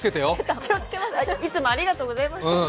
気をつけます、いつもありがとうございます。